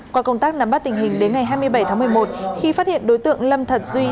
qua công tác nắm bắt tình hình đến ngày hai mươi bảy tháng một mươi một khi phát hiện đối tượng lâm thật duy